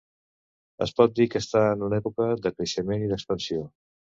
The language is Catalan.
Es pot dir que està en una època de creixement i d'expansió.